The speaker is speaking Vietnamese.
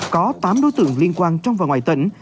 có tám đối tượng liên quan trong và ngoài tỉnh